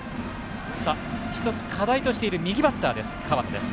一つ、課題としている右バッターです、河野です。